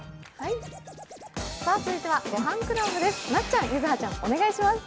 続いては「ごはんクラブ」です。